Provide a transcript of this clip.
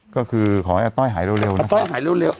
ก็คือขอให้อต้อยหายเร็วเร็วอต้อยหายเร็วเร็ว